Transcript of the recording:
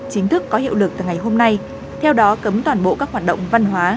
chính thức có hiệu lực từ ngày hôm nay theo đó cấm toàn bộ các hoạt động văn hóa